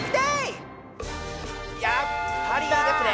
やっぱりいいですね。